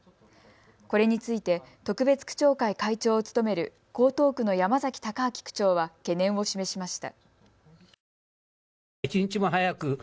これについて特別区長会会長を務める江東区の山崎孝明区長は懸念を示しました。